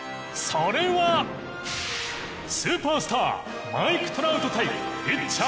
スーパースターマイク・トラウト対ピッチャー